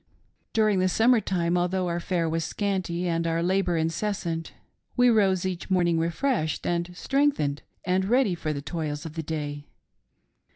During the summer time, although our fare was scanty and our labor incessant, we rose each morning refreshed and strengthened and ready for the toils of the day.